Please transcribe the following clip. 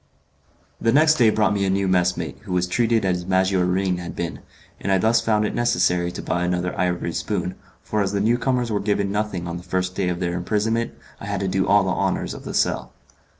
The next day brought me a new messmate, who was treated as Maggiorin had been, and I thus found it necessary to buy another ivory spoon, for as the newcomers were given nothing on the first day of their imprisonment I had to do all the honours of the cell.